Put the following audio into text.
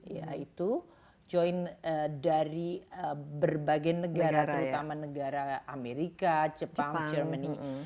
yaitu join dari berbagai negara terutama negara amerika jepang jerman ini